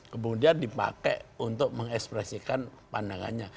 kemudian dipakai untuk mengekspresikan pandangannya